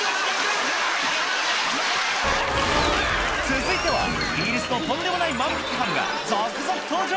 続いてはイギリスのとんでもない万引き犯が続々登場！